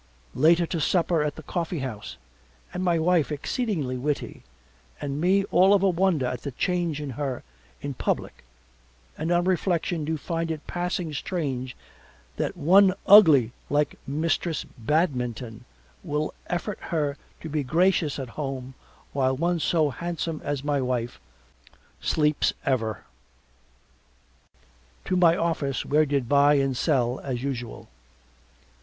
Later to supper at the coffee house and my wife exceedingly witty and me all of a wonder at the change in her in public and on reflection do find it passing strange that one ugly like Mistress Badminton will effort her to be gracious at home while one so handsome as my wife sleeps ever. To my office where did buy and sell as usual.